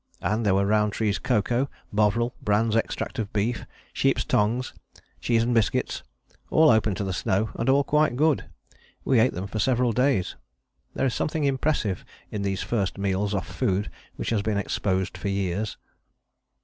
And there were Rowntree's cocoa, Bovril, Brand's extract of beef, sheep's tongues, cheese and biscuits all open to the snow and all quite good. We ate them for several days. There is something impressive in these first meals off food which has been exposed for years.